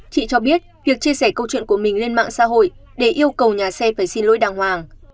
chị cho biết việc chia sẻ câu chuyện của mình lên mạng xã hội để yêu cầu nhà xe phải xin lỗi đàng hoàng